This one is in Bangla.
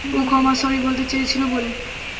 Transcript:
ও ক্ষমা স্যরি বলতে চেয়েছিল বলে।